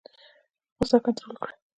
غوسه کنټرول کړئ